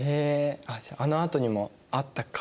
じゃああのあとにもあったかもしれない。